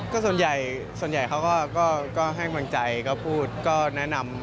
ก็ส่วนใหญ่เขาก็ให้กำลังใจก็พูดก็แนะนำ